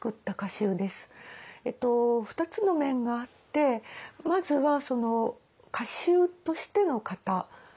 ２つの面があってまずはその歌集としての型。